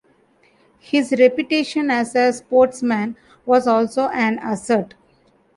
His reputation as a sportsman was also an asset.